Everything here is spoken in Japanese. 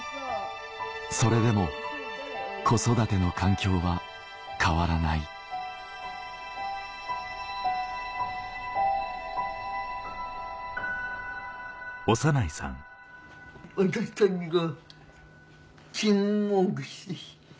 それでも子育ての環境は変わらない私たちが。